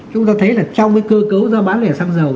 chúng ta thấy là trong cái cơ cấu giá bán lẻ xăng dầu